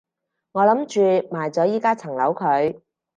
我諗住賣咗依加層樓佢